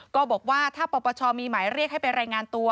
ก็บอกว่าถ้าปปชมีหมายเรียกให้ไปรายงานตัว